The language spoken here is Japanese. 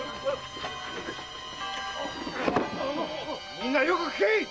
みんなよく聞け！